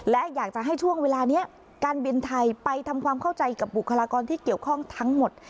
และอยากจะให้ช่วงเวลานี้การบินไทยไปทำความเข้าใจกับบุคลากรที่เกี่ยวข้องทั้งหมด